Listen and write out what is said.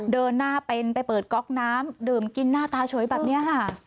เดินหน้าเป็นไปเปิดก๊อกน้ำดื่มกินหน้าตาเฉยแบบนี้ค่ะ